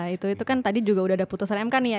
itu kan tadi juga udah ada putusan mk nih ya